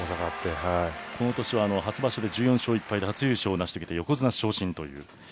この年は初場所で１４勝１敗で初優勝を成し遂げて横綱昇進という。